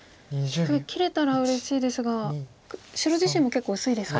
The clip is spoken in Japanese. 切れたらうれしいですが白自身も結構薄いですか。